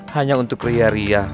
hanya untuk kriah riah